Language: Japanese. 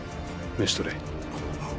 召し捕れ。